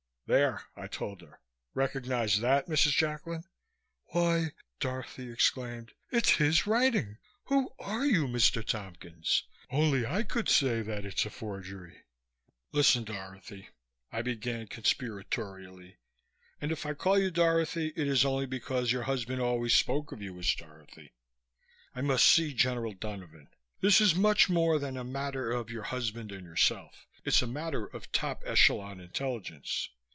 "There!" I told her. "Recognize that, Mrs. Jacklin?" "Why!" Dorothy exclaimed. "It's his writing! Who are you, Mr. Tompkins? Only I could say that it's a forgery." "Listen, Dorothy," I began conspiratorially. "And if I call you Dorothy it is only because your husband always spoke of you as Dorothy. I must see General Donovan. This is much more than a matter of your husband and yourself. It's a matter of top echelon intelligence."